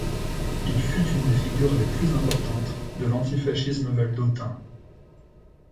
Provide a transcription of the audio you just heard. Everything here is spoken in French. Il fut une des figures les plus importantes de l'antifascisme valdôtain.